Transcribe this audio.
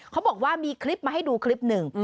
เขาบอกว่ามีคลิปมาให้ดูคลิปหนึ่ง